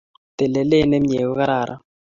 Telelet nemie kokararan